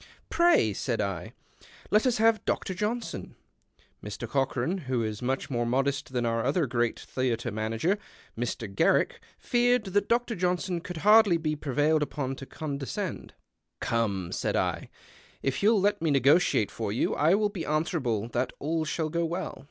" Pray," said I, " let us have Dr. Johnson." Mr. Cochran, who is much more modest than our other great theatre manager, Mr. Garrick, feared that Dr. Johnson could hardly be prevailed upon to conde scend. " Come," said I, " if you'll kt me negotiate for you, I will be answerable that all shall go well."